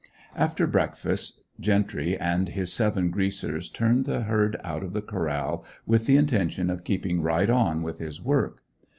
After breakfast Gentry and his seven "Greasers" turned the herd out of the corral with the intention of keeping right on with his work.